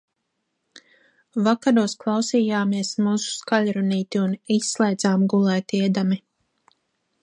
Vakaros klausījāmies mūsu skaļrunīti un izslēdzām gulētiedami.